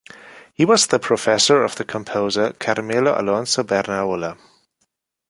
He was the professor of the composer Carmelo Alonso Bernaola.